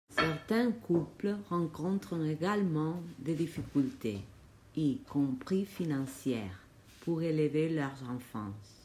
Certains couples rencontrent également des difficultés, y compris financières, pour élever leurs enfants.